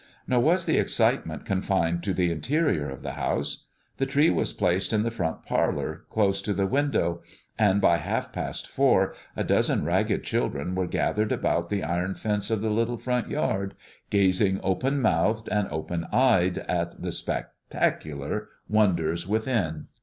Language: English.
Nor was the excitement confined to the interior of the house. The tree was placed in the front parlor, close to the window, and by half past four a dozen ragged children were gathered about the iron fence of the little front yard, gazing open mouthed and open eyed at the spectacular wonders within.